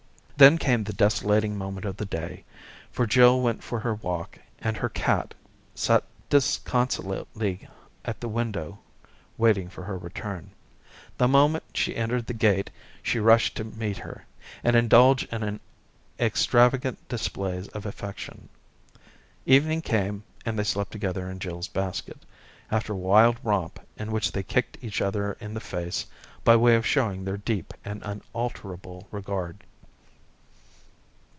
Then came the desolating moment of the day, for Jill went for her walk, and her cat sat disconsolately at the window waiting for her return. The moment she entered the gate she rushed to meet her, and indulged in extravagant displays of affection. Evening came, and they slept together in Jill's basket, after a wild romp in which they kicked each other in the face, by way of showing their deep and unalterable regard.